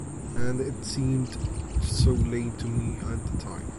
And it seemed so lame to me, at the time.